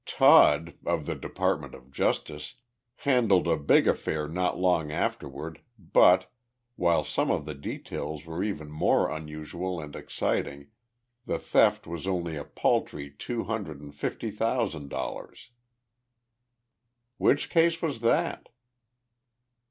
"Todd, of the Department of Justice, handled a big affair not long afterward, but, while some of the details were even more unusual and exciting, the theft was only a paltry two hundred and fifty thousand dollars." "Which case was that?"